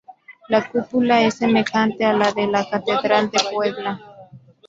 La cúpula es semejante a la de la Catedral de Puebla.